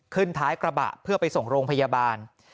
ท้ายกระบะเพื่อไปส่งโรงพยาบาล